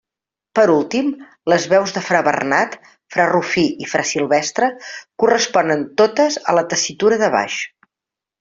Per últim, les veus de fra Bernat, fra Rufí i fra Silvestre corresponen totes a la tessitura de baix.